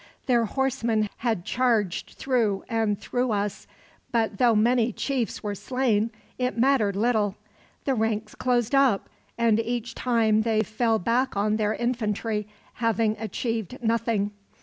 Their horsemen had charged through and through us, but though many chiefs were slain, it mattered little. The ranks closed up, and each time they fell back on their infantry, having achieved nothing.